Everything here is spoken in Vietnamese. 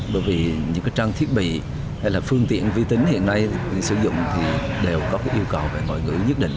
bởi vì những trang thiết bị hay là phương tiện vi tính hiện nay sử dụng thì đều có cái yêu cầu về ngoại ngữ nhất định